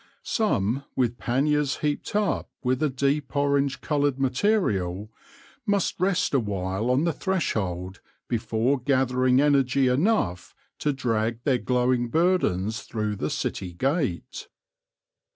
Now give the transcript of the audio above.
Some with panniers heaped up with a deep orange coloured material, must rest awhile on the threshold before gathering energy enough to drag their glowing burdens through the city gate.